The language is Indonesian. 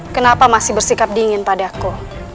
kenapa masih bersikap dingin pada aku